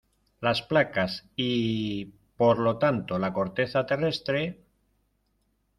las placas y... por lo tanto la corteza terrestre ...